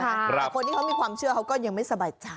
แต่คนที่เขามีความเชื่อเขาก็ยังไม่สบายใจ